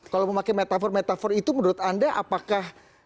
kalau memakai metafor metafor itu menurut anda apakah